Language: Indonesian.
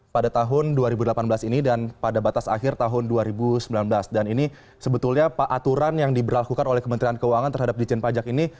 pada tahun dua ribu delapan belas ini dan pada batas akhir tahun dua ribu sembilan belas dan ini sebetulnya aturan yang diberlakukan oleh kementerian keuangan terhadap dijen pajak ini